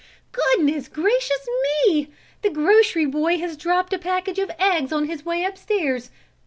"Goodness, gracious, me! The grocery boy has dropped a package of eggs on his way up stairs.